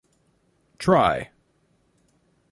Try!